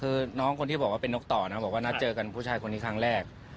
คือน้องคนที่บอกว่าเป็นนกต่อนะบอกว่านัดเจอกันผู้ชายคนนี้ครั้งแรก